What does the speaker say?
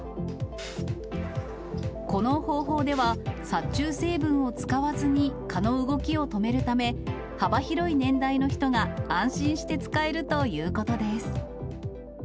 この方法では、殺虫成分を使わずに蚊の動きを止めるため、幅広い年代の人が安心して使えるということです。